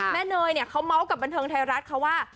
แม่เนยเขาเมาส์กับบันเทิงไทยรัฐเขาว่า